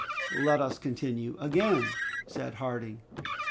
"Let us continue again," said Harding.